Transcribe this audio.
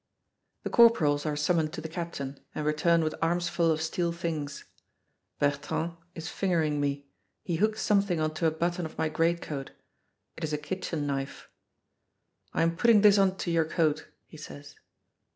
The corporals are summoned to the captain, and return with armsful of steel things. Bertrand is fingering me; he hooks something on to a button of my greatcoat. It is a kitchen knife. "I'm putting this on to your coat," he says.